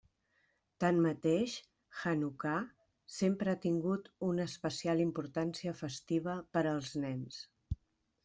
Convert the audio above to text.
Tanmateix, Hanukkà sempre ha tingut una especial importància festiva per als nens.